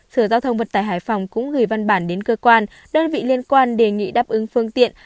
sở giao thông vận tải hải phòng cũng gửi văn bản đến cơ quan đơn vị liên quan đề nghị đáp ứng phương tiện